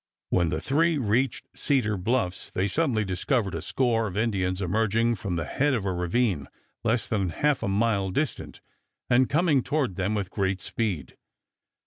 When the three reached Cedar Bluffs they suddenly discovered a score of Indians emerging from the head of a ravine less than half a mile distant and coming toward them with great speed.